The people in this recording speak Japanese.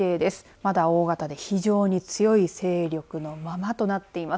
まだ大型で非常に強い勢力のままとなっています。